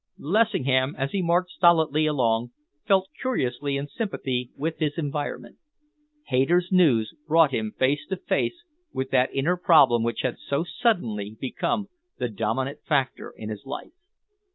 Lessingham, as he marched stolidly along, felt curiously in sympathy with his environment. Hayter's news brought him face to face with that inner problem which had so suddenly become the dominant factor in his life.